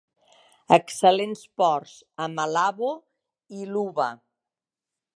Excel·lents ports a Malabo i Luba.